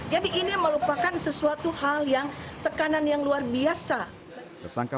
jadi ini melupakan sesuatu hal yang tekanan yang luar biasa